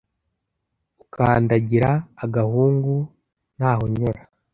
Ukandagira agahungu ntahonyora.